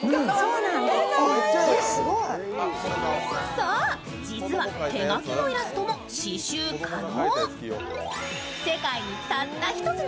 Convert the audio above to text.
そう、実は手描きのイラストも刺しゅう可能。